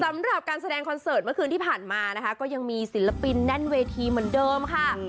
สำหรับการแสดงคอนเสิร์ตเมื่อคืนที่ผ่านมานะคะก็ยังมีศิลปินแน่นเวทีเหมือนเดิมค่ะ